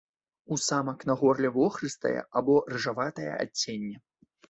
У самак на горле вохрыстае або рыжаватае адценне.